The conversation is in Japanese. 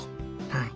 はい。